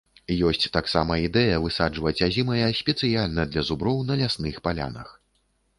Ёсць таксама ідэя высаджваць азімыя спецыяльна для зуброў на лясных палянах.